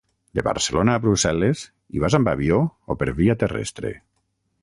De Barcelona a Brussel·les, hi vas amb avió o per via terrestre?